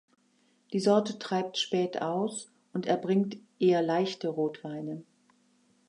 Die Sorte treibt spät aus und erbringt eher leichte Rotweine.